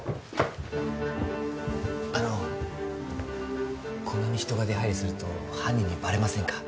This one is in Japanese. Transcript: あのこんなに人が出入りすると犯人にバレませんか？